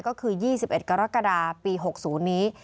ก็คือ๒๑กรกฎาปี๖๐นี้